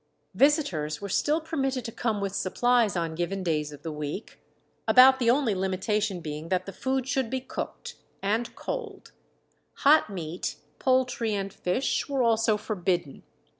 Visitors were still permitted to come with supplies on given days of the week, about the only limitation being that the food should be cooked, and cold; hot meat, poultry, and fish were also forbidden.